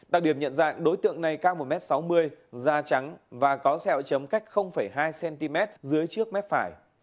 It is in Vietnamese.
đặc điểm nhận dạng đối tượng này cao một m sáu mươi da trắng và có sẹo chấm cách hai cm dưới trước mép phải